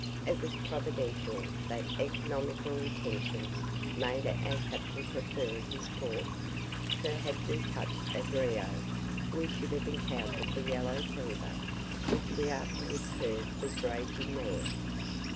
It was providential that economical intentions made our captain prefer this port, for had we touched at Rio, we should have encountered the yellow fever, which we afterwards heard was raging there.